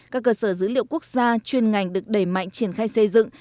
các cơ sở dữ liệu quốc gia chuyên ngành được đẩy mạnh triển khai xây dựng